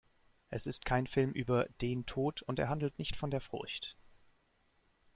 Es ist kein Film über "den" Tod und er handelt nicht von der Furcht.